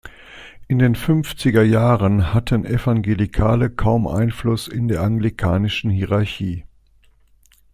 In den fünfziger Jahren hatten Evangelikale kaum Einfluss in der anglikanischen Hierarchie.